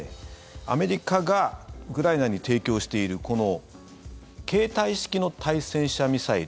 アメリカがウクライナに提供しているこの携帯式の対戦車ミサイル。